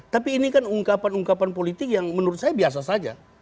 tapi ini kan ungkapan ungkapan politik yang menurut saya biasa saja